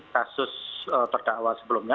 kasus perdakwa sebelumnya